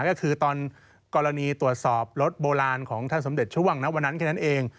ก็คือตอนกรณีตรวจสอบรถโบราณของท่านสมเด็จช่วงณวันนั้นแค่นั้นเอง